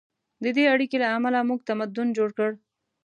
د دې اړیکې له امله موږ تمدن جوړ کړ.